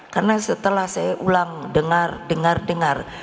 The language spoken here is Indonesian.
karena setelah saya ulang dengar dengar dengar